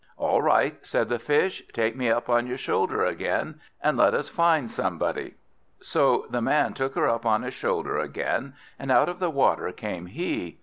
"All right," said the Fish; "take me up on your shoulder again, and let us find somebody." So the Man took her up on his shoulder again, and out of the water came he.